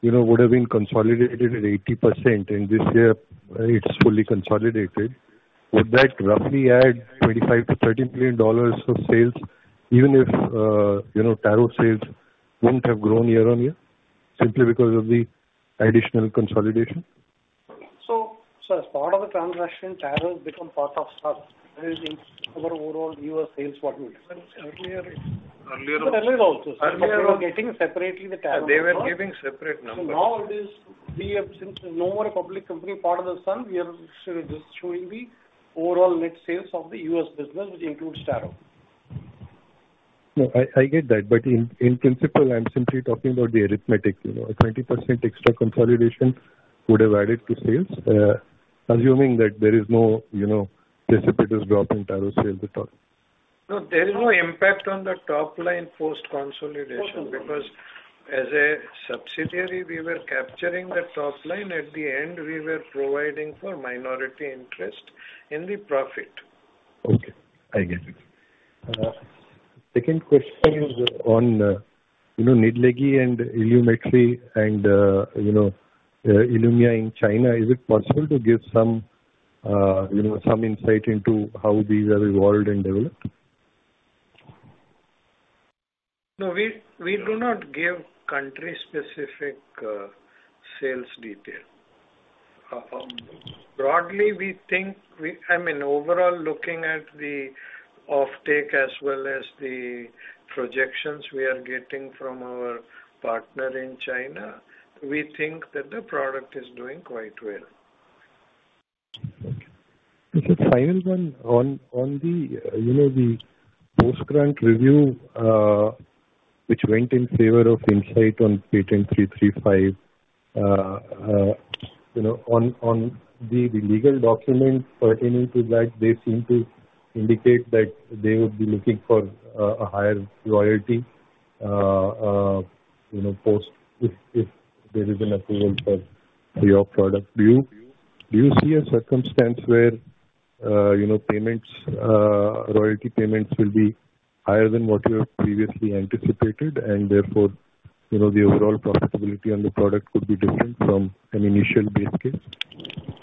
you know, would have been consolidated at 80%, and this year, it's fully consolidated. Would that roughly add $25-$30 billion of sales, even if, you know, Taro sales wouldn't have grown year-on-year, simply because of the additional consolidation? So as part of the transaction, Taro has become part of Sun, that is in our overall U.S. sales portfolio. Earlier, earlier- Earlier also. Earlier- We were getting separately the Taro- They were giving separate numbers. We have, since no more a public company, part of the Sun, we are just showing the overall net sales of the U.S. business, which includes Taro. No, I get that, but in principle, I'm simply talking about the arithmetic, you know, a 20% extra consolidation would have added to sales, assuming that there is no, you know, precipitous drop in Taro sales at all. No, there is no impact on the top line post-consolidation. No. Because as a subsidiary, we were capturing the top line. At the end, we were providing for minority interest in the profit. Okay, I get it. Second question is on, you know, Nidlegy and Ilumetri and, you know, Ilumya in China. Is it possible to give some, you know, some insight into how these have evolved and developed? No, we do not give country-specific sales detail. Broadly, we think, I mean, overall, looking at the offtake as well as the projections we are getting from our partner in China, we think that the product is doing quite well. Okay. The final one, on the, you know, the post-grant review, which went in favor of Incyte on patent 335, you know, on the legal documents pertaining to that, they seem to indicate that they would be looking for a higher royalty, you know, post, if there is an approval for your product. Do you see a circumstance where, you know, payments, royalty payments will be higher than what you have previously anticipated, and therefore, you know, the overall profitability on the product could be different from an initial base case?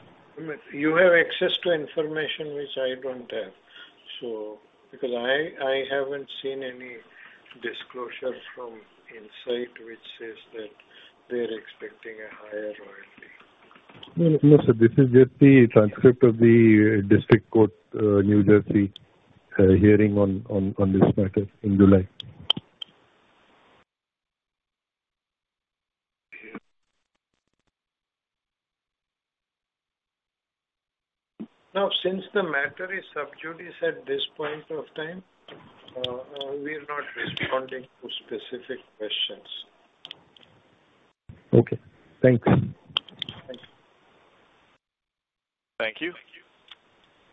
You have access to information which I don't have, so... because I haven't seen any disclosures from Incyte, which says that they're expecting a higher royalty. No, no, sir, this is just the transcript of the District Court, New Jersey, hearing on this matter in July. Now, since the matter is sub judice at this point of time, we are not responding to specific questions. Okay, thanks. Thank you. Thank you.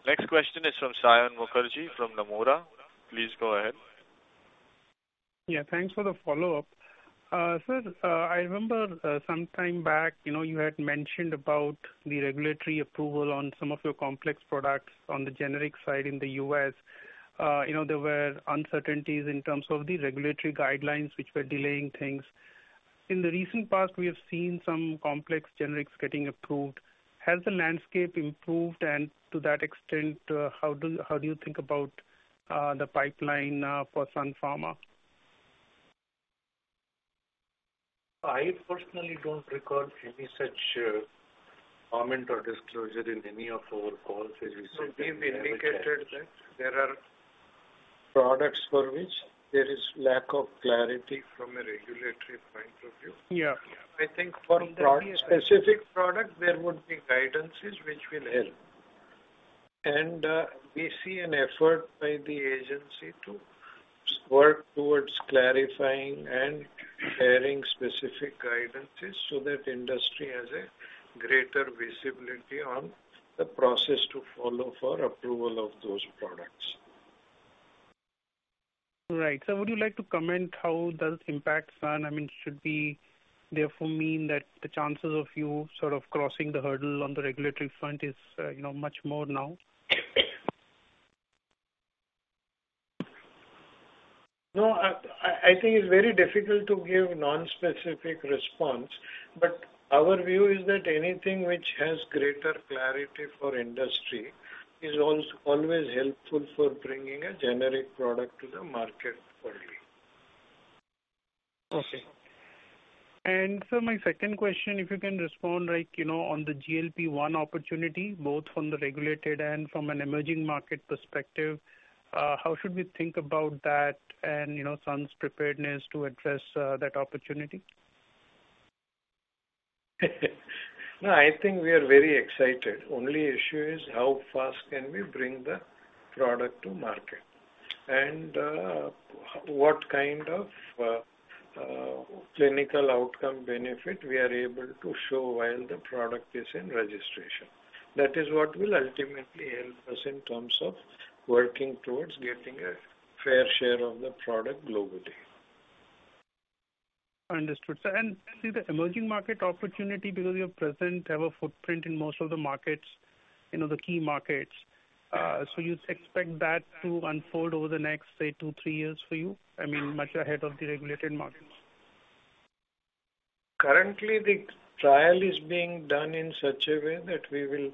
Next question is from Saion Mukherjee from Nomura. Please go ahead. Yeah, thanks for the follow-up. Sir, I remember some time back, you know, you had mentioned about the regulatory approval on some of your complex products on the generic side in the U.S. You know, there were uncertainties in terms of the regulatory guidelines, which were delaying things. In the recent past, we have seen some complex generics getting approved. Has the landscape improved, and to that extent, how do you think about the pipeline for Sun Pharma? I personally don't recall any such comment or disclosure in any of our calls. We simply indicated that there are products for which there is lack of clarity from a regulatory point of view. Yeah. I think for product, specific product, there would be guidances which will help, and we see an effort by the agency to work towards clarifying and sharing specific guidances so that industry has a greater visibility on the process to follow for approval of those product. Right. So would you like to comment how does impact Sun? I mean, should we therefore mean that the chances of you sort of crossing the hurdle on the regulatory front is, you know, much more now? No, I think it's very difficult to give a nonspecific response, but our view is that anything which has greater clarity for industry is always helpful for bringing a generic product to the market for you. Okay. And sir, my second question, if you can respond, like, you know, on the GLP-1 opportunity, both from the regulated and from an emerging market perspective, how should we think about that and, you know, Sun's preparedness to address that opportunity? No, I think we are very excited. Only issue is how fast can we bring the product to market, and what kind of clinical outcome benefit we are able to show while the product is in registration. That is what will ultimately help us in terms of working towards getting a fair share of the product globally. Understood. I see the emerging market opportunity, because you presently have a footprint in most of the markets, you know, the key markets. You expect that to unfold over the next, say, two, three years for you? I mean, much ahead of the regulated markets. Currently, the trial is being done in such a way that we will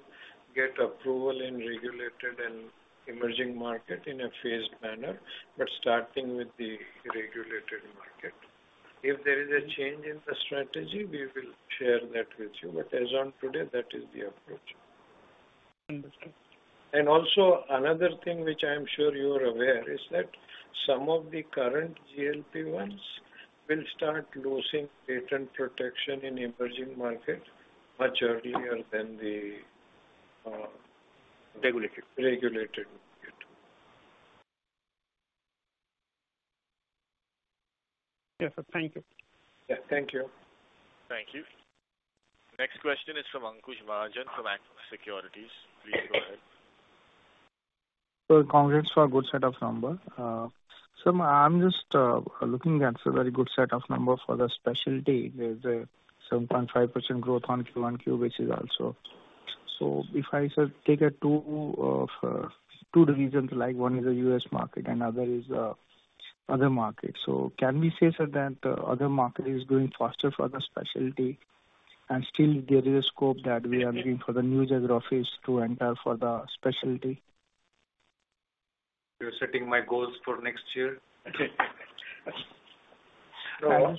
get approval in regulated and emerging market in a phased manner, but starting with the regulated market. If there is a change in the strategy, we will share that with you, but as on today, that is the approach. Understood. Also another thing which I am sure you are aware is that some of the current GLP-1s will start losing patent protection in emerging markets much earlier than the. Regulated. Regulated market. Yes, sir. Thank you. Yeah, thank you. Thank you. Next question is from Ankush Mahajan, from Axis Securities. Please go ahead. So congrats for a good set of numbers. So I'm just looking at a very good set of numbers for the specialty. There's a 7.5% growth on QoQ, which is also. So if I should take a view of two divisions, like one is a U.S. market and other is other markets. So can we say, sir, that the other market is growing faster for the specialty, and still there is a scope that we are looking for the new geographies to enter for the specialty? You're setting my goals for next year? I'm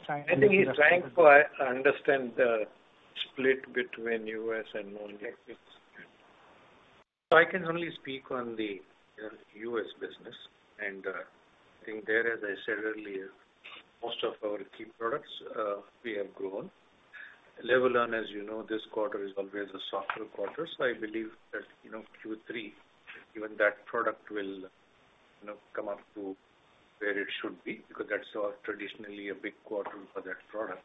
trying. I think he's trying to understand the split between U.S and non-U.S. I can only speak on the US business, and I think there, as I said earlier, most of our key products we have grown. Levulan, as you know, this quarter is always a softer quarter, so I believe that, you know, Q3, even that product will, you know, come up to where it should be, because that's traditionally a big quarter for that product.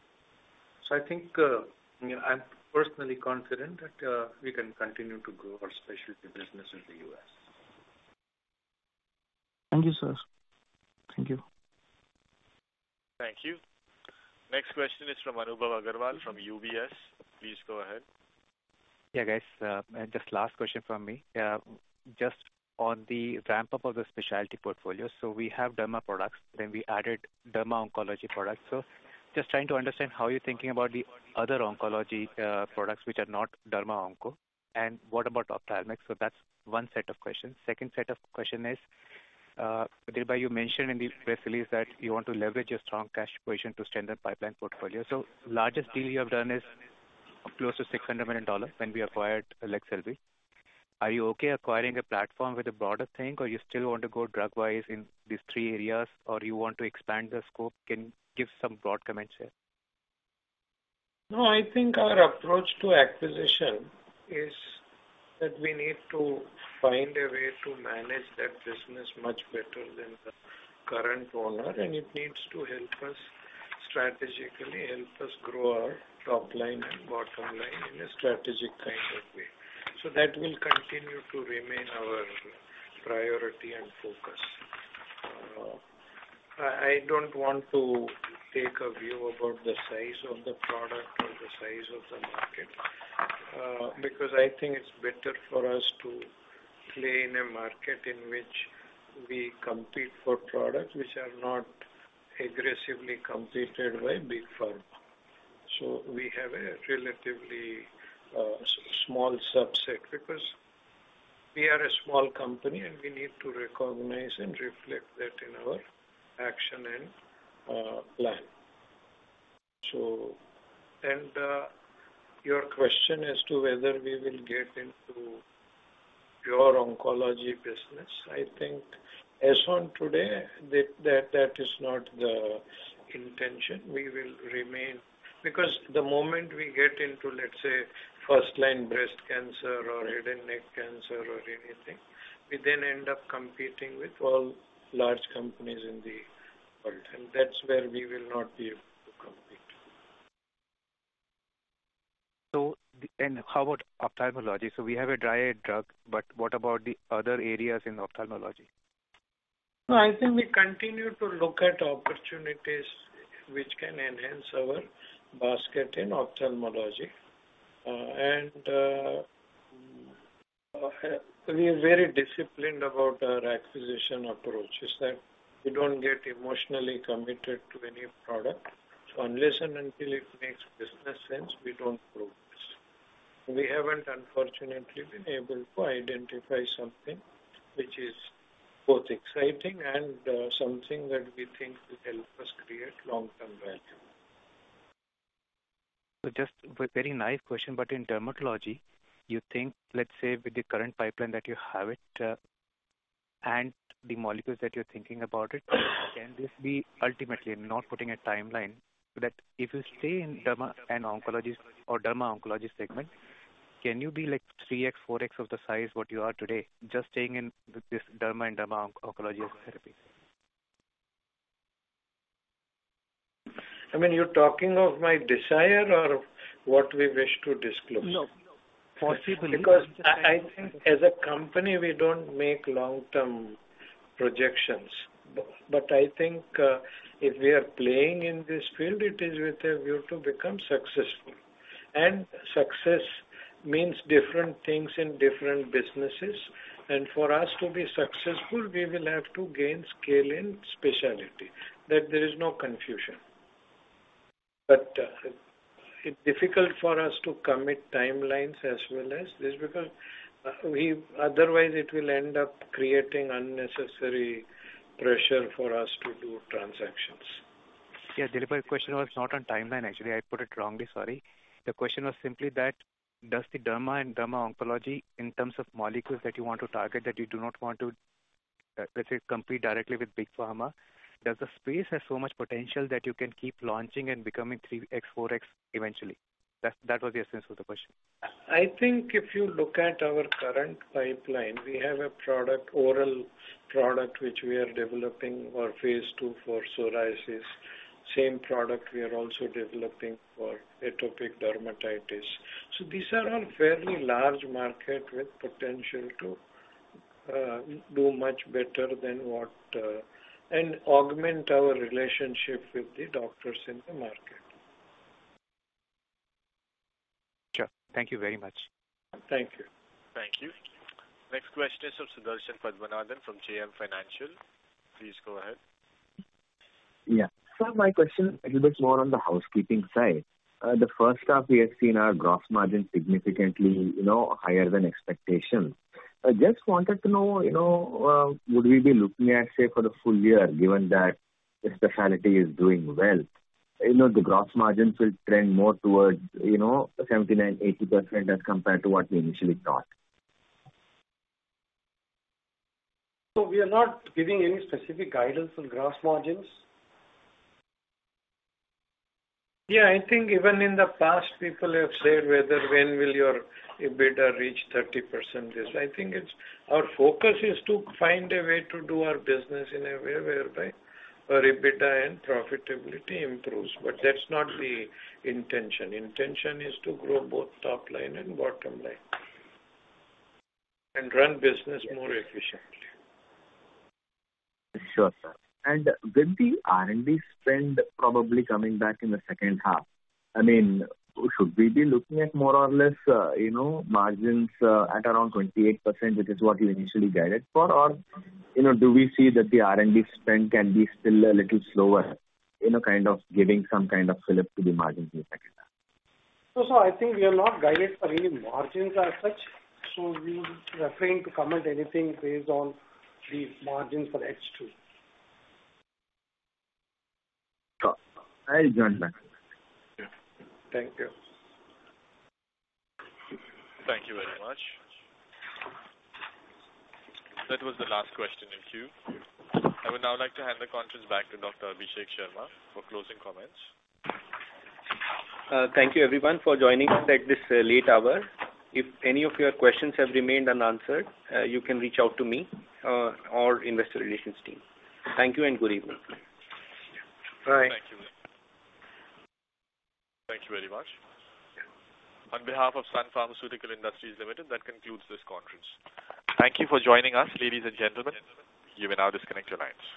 So I think, you know, I'm personally confident that we can continue to grow our specialty business in the U.S. Thank you, sir. Thank you. Thank you. Next question is from Anubhav Agarwal, from UBS. Please go ahead. Yeah, guys, just last question from me. Just on the ramp-up of the specialty portfolio, so we have derma products, then we added derma oncology products. So just trying to understand how you're thinking about the other oncology, products which are not derma onco, and what about ophthalmics? So that's one set of questions. Second set of question is, Abhay, you mentioned in the press release that you want to leverage your strong cash position to strengthen the pipeline portfolio. So largest deal you have done is close to $600 million, when we acquired Leqselvi. Are you okay acquiring a platform with a broader thing, or you still want to go drug-wise in these three areas, or you want to expand the scope? Can you give some broad comments here? No, I think our approach to acquisition is that we need to find a way to manage that business much better than the current owner, and it needs to help us, strategically help us grow our top line and bottom line in a strategic kind of way. So that will continue to remain our priority and focus. I don't want to take a view about the size of the product or the size of the market, because I think it's better for us to play in a market in which we compete for products which are not aggressively competed by big firms. So we have a relatively small subset because we are a small company, and we need to recognize and reflect that in our action and plan. Your question as to whether we will get into pure oncology business, I think as on today, that is not the intention. We will remain. Because the moment we get into, let's say, first-line breast cancer or head and neck cancer or anything, we then end up competing with all large companies in the world, and that's where we will not be able to compete. So and how about ophthalmology? So we have a dry eye drug, but what about the other areas in ophthalmology? No, I think we continue to look at opportunities which can enhance our basket in ophthalmology. We are very disciplined about our acquisition approach, is that we don't get emotionally committed to any product. So unless and until it makes business sense, we don't progress. We haven't, unfortunately, been able to identify something which is both exciting and something that we think will help us create long-term value. So just a very nice question, but in dermatology, you think, let's say, with the current pipeline that you have it, and the molecules that you're thinking about it, can this be ultimately, not putting a timeline, that if you stay in derma and oncology or derma oncology segment, can you be like three x, four x of the size what you are today, just staying in this derma and derma oncology therapy? I mean, you're talking of my desire or what we wish to disclose? No. Possibly. Because I think as a company, we don't make long-term projections. But I think, if we are playing in this field, it is with a view to become successful. And success means different things in different businesses, and for us to be successful, we will have to gain scale in specialty. That there is no confusion. But, it's difficult for us to commit timelines as well as... Just because we-- otherwise it will end up creating unnecessary pressure for us to do transactions. Yeah, Dilip, my question was not on timeline, actually. I put it wrongly, sorry. The question was simply that, does the derma and derma oncology, in terms of molecules that you want to target, that you do not want to, let's say, compete directly with big pharma, does the space have so much potential that you can keep launching and becoming three x, four x eventually? That, that was the essence of the question. I think if you look at our current pipeline, we have a product, oral product, which we are developing for Phase II for psoriasis. Same product we are also developing for atopic dermatitis. So these are all fairly large market with potential to do much better than what and augment our relationship with the doctors in the market. Sure. Thank you very much. Thank you. Thank you. Next question is from Sudarshan Padmanabhan, from JM Financial. Please go ahead. Yeah. So my question a little bit more on the housekeeping side. The first half, we have seen our gross margin significantly, you know, higher than expectations. I just wanted to know, you know, would we be looking at, say, for the full year, given that the specialty is doing well, you know, the gross margins will trend more towards, you know, 79%-80% as compared to what we initially thought? So we are not giving any specific guidance on gross margins. Yeah, I think even in the past, people have said, "Whether when will your EBITDA reach 30%?" This I think it's... Our focus is to find a way to do our business in a way whereby our EBITDA and profitability improves, but that's not the intention. Intention is to grow both top line and bottom line, and run business more efficiently. Sure, sir. And with the R&D spend probably coming back in the second half, I mean, should we be looking at more or less, you know, margins, at around 28%, which is what you initially guided for? Or, you know, do we see that the R&D spend can be still a little slower, you know, kind of giving some kind of fillip to the margins in the second half? I think we are not guided for any margins as such, so we refrain to comment anything based on the margin for H2. Sure. I understand that. Yeah. Thank you. Thank you very much. That was the last question in queue. I would now like to hand the conference back to Dr. Abhishek Sharma for closing comments. Thank you, everyone, for joining us at this late hour. If any of your questions have remained unanswered, you can reach out to me or investor relations team. Thank you and good evening. Bye. Thank you. Thank you very much. On behalf of Sun Pharmaceutical Industries, Limited, that concludes this conference. Thank you for joining us, ladies and gentlemen. You may now disconnect your lines.